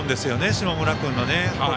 下村君の。